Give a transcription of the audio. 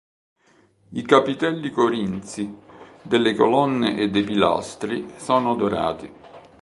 I capitelli corinzi delle colonne e dei pilastri sono dorati.